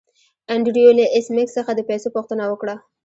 انډریو له ایس میکس څخه د پیسو پوښتنه وکړه